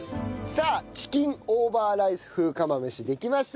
さあチキンオーバーライス風釜飯できました！